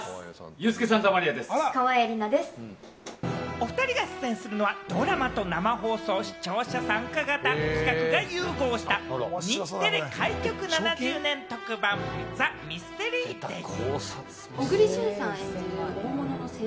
おふたりが出演するのはドラマと生放送、視聴者参加型企画が融合した日テレ開局７０年特番『ＴＨＥＭＹＳＴＥＲＹＤＡＹ』。